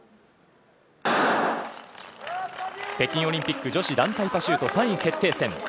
北京オリンピック女子団体パシュート３位決定戦。